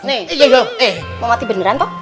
nih mau mati beneran toh